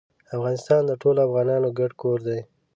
افغانستان د ټولو افغانانو ګډ کور دی.